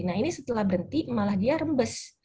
nah ini setelah berhenti malah dia rembes